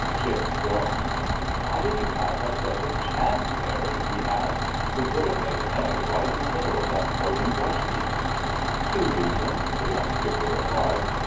Chick groaned. "Why did you pass up such a chance, Barry?" he asked. "We could have laid an egg right in the middle of that floating brush heap." "Two reasons," the young skipper replied.